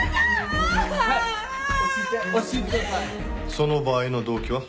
その場合の動機は？